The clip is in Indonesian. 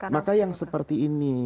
maka yang seperti ini